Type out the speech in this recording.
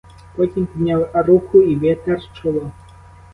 Потім підняв руку і витер чоло.